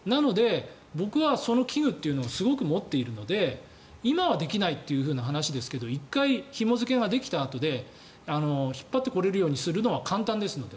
なので僕はその危惧というのをすごく持っているので今はできないという話ですが１回ひも付けができたあとで引っ張ってこれるようにするのは簡単ですので。